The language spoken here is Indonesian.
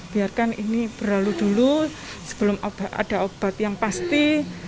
biarkan ini berlalu dulu sebelum ada obat yang pasti